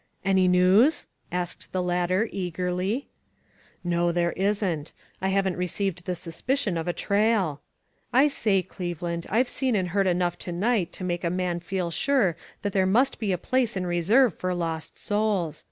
"Any news?" asked the latter, eagerly. " No, there isn't. I haven't received the suspicion of a trail. I say, Cleveland, I've seen and heard enough to night to make a man feel sure that there must bd a place in reserve for lost souls.